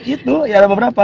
itu ya ada beberapa